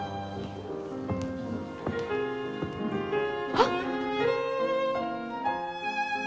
あっ！